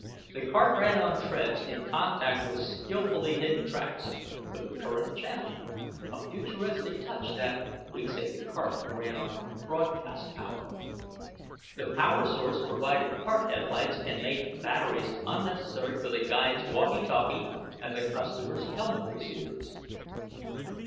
The cart ran on treads in contact with skillfully hidden tracks, for the current channel. A futuristic touch, that we'd say the cart ran on broadcast power. The power source provided cart headlights, and made batteries unnecessary for the guide's walkie talkie and the customers' helmet receivers.